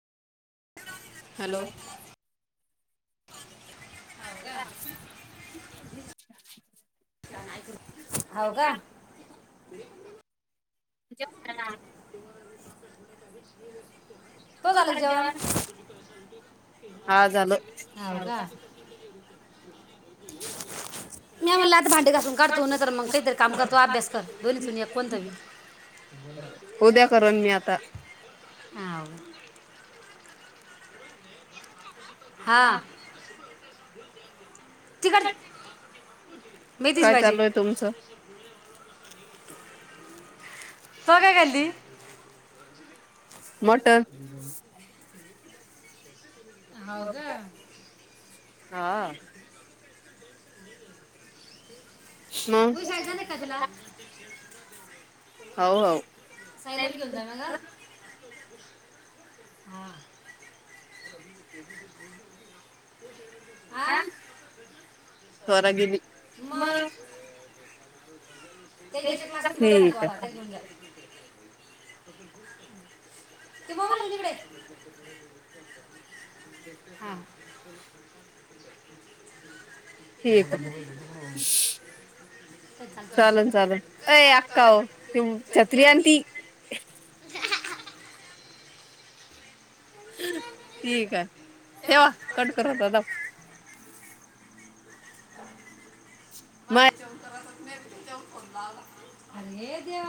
Hello. [inaudible] [inaudible] हो का. जेवण करणार. त झालं जेवण? हा झालं. हाव का. [inaudible] [inaudible] म्या म्हणलं आता भांडे घासून काढतो नाही तर मग काहीतरी काम करतो. तु अभ्यास कर. दोन्हीतून एक कोणतं भी. उद्या करन मी आता. आव. हा तिकड काय चालू आहे तुमचं? त्वा काय कल्ली? [inaudible] हो गां? हा. मग? हव हव. सायलेंस वर फोन हुता? हा. [unintelligible] हा, स्वरा गिली. म ते त्याच्या क्लासमधी बसणार दोघा घरी घिऊन गेला. ते बोंबलू दे तिकड. हा. ठीक आहे. [inaudible] ठीक हाय. ठेवा, कट कर आता. मायाच्या उतरावर अरे देवा!